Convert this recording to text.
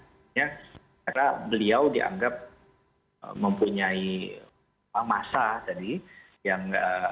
karena beliau dianggap mempunyai masa tadi yang